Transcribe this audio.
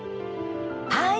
はい。